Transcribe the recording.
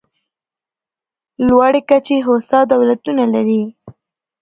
لوړې کچې هوسا دولتونه لري.